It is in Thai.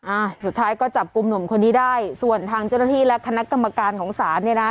อ่าสุดท้ายก็จับกลุ่มหนุ่มคนนี้ได้ส่วนทางเจ้าหน้าที่และคณะกรรมการของศาลเนี่ยนะ